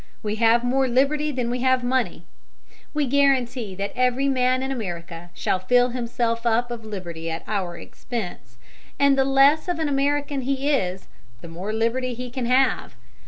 We have more liberty than we have money. We guarantee that every man in America shall fill himself up full of liberty at our expense, and the less of an American he is the more liberty he can have.